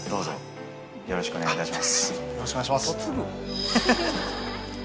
よろしくお願いします。